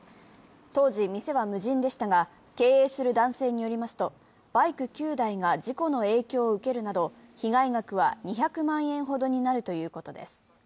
当時、店は無人でしたが経営する男性によりますと、バイク９台が事故の影響を受けるなど被害額は２００万円ほどになるということです。